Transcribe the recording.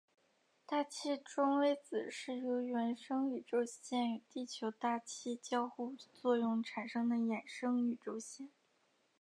大气中微子是由原生宇宙线与地球大气交互作用产生的衍生宇宙线。